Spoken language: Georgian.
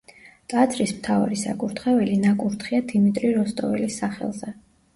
ტაძრის მთავარი საკურთხეველი ნაკურთხია დიმიტრი როსტოველის სახელზე.